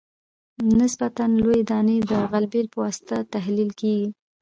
نسبتاً لویې دانې د غلبیل په واسطه تحلیل کیږي